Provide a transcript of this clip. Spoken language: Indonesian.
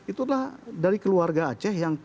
itu adalah dari keluarga aceh yang